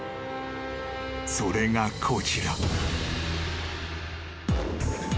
［それがこちら］